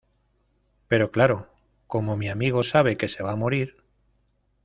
pero claro, como mi amigo sabe que se va a morir...